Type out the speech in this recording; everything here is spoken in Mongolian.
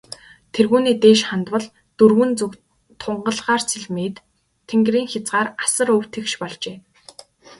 Тэргүүнээ дээш хандвал, дөрвөн зүг тунгалгаар цэлмээд, тэнгэрийн хязгаар асар өв тэгш болжээ.